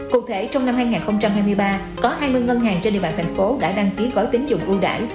cụ thể trong năm hai nghìn hai mươi ba có hai mươi ngân hàng trên địa bàn thành phố đã đăng ký gói tính dụng ưu đải